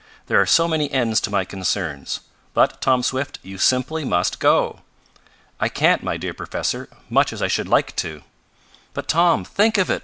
There are so many ends to my concerns. But, Tom Swift, you simply must go!" "I can't, my dear professor, much as I should like to." "But, Tom, think of it!"